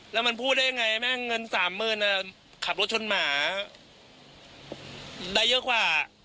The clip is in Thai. แล้วมันพูดได้ยังไงแม่เงินสามหมื่นขับรถชนหมาได้เยอะกว่า